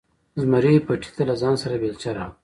زمري پټي ته له ځانه سره بیلچه راوړه.